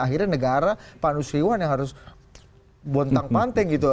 akhirnya negara pak nusriwan yang harus bontang panting gitu